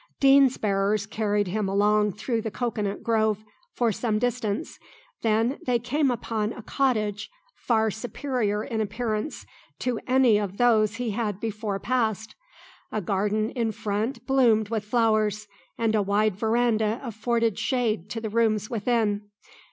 Deane's bearers carried him along through the cocoanut grove for some distance, when they came before a cottage far superior in appearance to any of those he had before passed. A garden in front bloomed with flowers, and a wide verandah afforded shade to the rooms within.